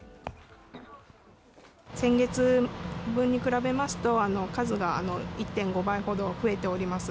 先月分に比べますと、数が１．５倍ほど増えております。